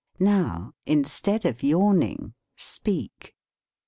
NOW, instead of yawning, speak.